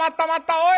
おい！